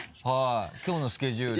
きょうのスケジュール。